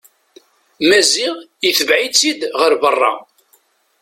Maziɣ itbeɛ-itt-id ɣer berra.